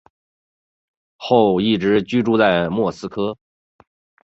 后一直居住在莫斯科。